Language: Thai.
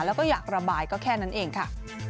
แล้วก็อยากระบายก็แค่นั้นเองค่ะ